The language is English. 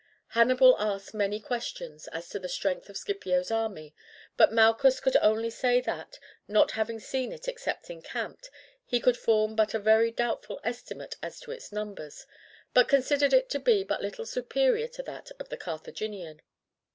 Hannibal asked many questions as to the strength of Scipio's army, but Malchus could only say that, not having seen it except encamped, he could form but a very doubtful estimate as to its numbers, but considered it to be but little superior to that of the Carthaginian.